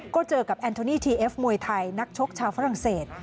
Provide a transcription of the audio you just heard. ก็เจอกับแอนโทนี่ทีเอฟมวยไทยนักชกชาวฝรั่งเศส